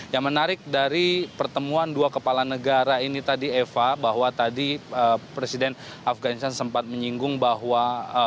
yang menarik dari pertemuan dua kepala negara ini tadi eva bahwa tadi presiden afganistan sempat menyinggung bahwa